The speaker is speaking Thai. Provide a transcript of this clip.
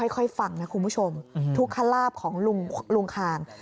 ฟังนะคุณผู้ชมทุกขลาบของลุงคาง